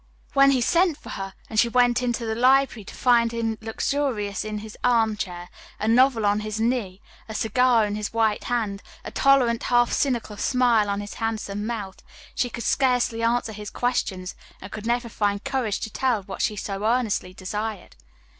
When he sent for her and she went into the library to find him luxurious in his arm chair, a novel on his knee, a cigar in his white hand, a tolerant, half cynical smile on his handsome mouth, she could scarcely answer his questions, and could never find courage to tell what she so earnestly desired.